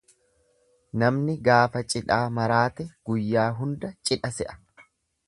Namni gaafa cidhaa maraate guyyaa hunda cidha se'a.